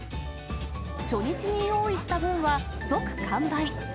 初日に用意した分は即完売。